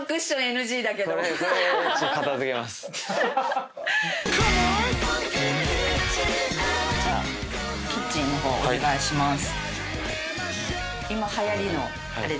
じゃあキッチンの方お願いします。